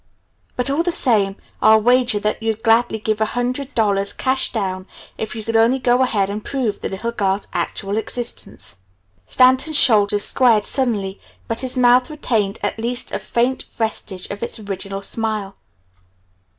But all the same, I'll wager that you'd gladly give a hundred dollars, cash down, if you could only go ahead and prove the little girl's actual existence." Stanton's shoulders squared suddenly but his mouth retained at least a faint vestige of its original smile.